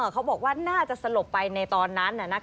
เขาบอกว่าน่าจะสลบไปในตอนนั้น